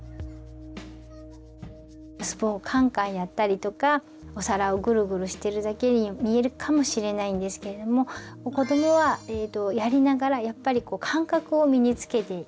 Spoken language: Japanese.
スプーンをカンカンやったりとかお皿をぐるぐるしてるだけに見えるかもしれないんですけれども子どもはやりながらやっぱり感覚を身につけているんですよね。